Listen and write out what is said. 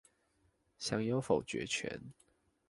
享有否決權